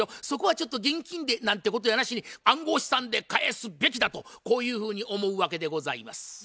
「そこはちょっと現金で」なんてことやなしに暗号資産で返すべきだとこういうふうに思うわけでございます。